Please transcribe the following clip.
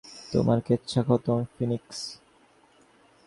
তোমার কেচ্ছা খতম, ফিনিক্স।